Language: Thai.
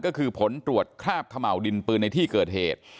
ก็คือผลตรวจคราบเขม่าวดินปืนในที่เกิดเหตุ